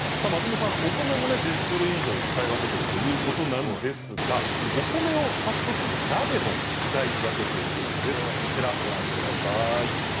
松本さん、お米も１０種類以上使い分けているということなんですがお米を炊くときの鍋も使い分けているんです。